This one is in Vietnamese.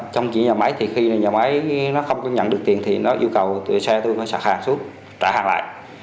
trong chuyển nhà máy thì khi nhà máy nó không có nhận được tiền thì nó yêu cầu xe tôi phải sạc hàng suốt trả hàng lại